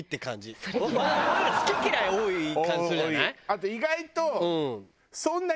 あと意外と。